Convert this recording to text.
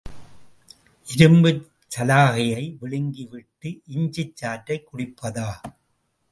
இரும்புச் சலாகையை விழுங்கிவிட்டு இஞ்சிச் சாற்றைக் குடிப்பதா?